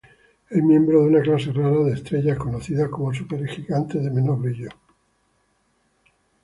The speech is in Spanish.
Es miembro de una clase rara de estrellas conocida como supergigantes de menor brillo.